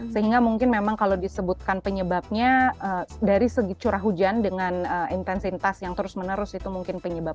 sehingga mungkin memang kalau disebutkan penyebabnya dari segi curah hujan dengan intensitas yang terus menerus itu mungkin penyebab